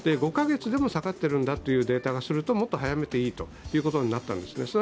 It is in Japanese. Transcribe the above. ５月でも下がっているんだというデータからするともっと早めていいということになったんですね。